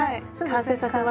完成させます。